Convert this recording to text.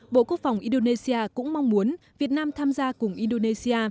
bộ quốc phòng indonesia cũng mong muốn việt nam tham gia cùng indonesia